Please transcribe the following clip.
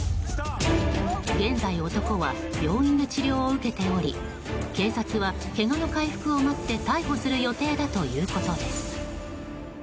現在、男は病院で治療を受けており警察は、けがの回復を待って逮捕する予定だということです。